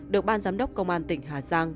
được ban giám đốc công an tỉnh hà giang